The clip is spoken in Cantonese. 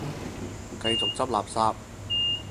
繼續執垃圾